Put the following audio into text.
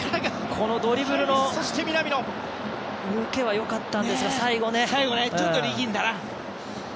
このドリブルの抜けは良かったんですが最後、ちょっと力みましたね。